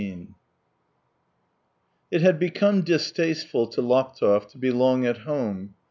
XIV It had become distasteful to Laptev to be long at home.